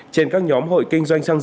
trên các nhóm hội kinh doanh